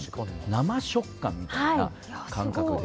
生食感みたいな感覚で。